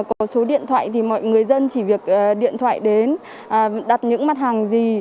có số điện thoại thì mọi người dân chỉ việc điện thoại đến đặt những mặt hàng gì